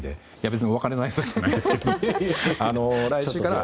別にお別れの挨拶じゃないですけど。